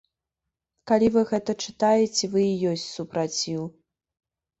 Калі вы гэта чытаеце, вы і ёсць супраціў.